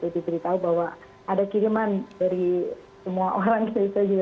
diteritahu bahwa ada kiriman dari semua orang